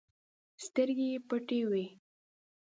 سترګې یې پټې وي.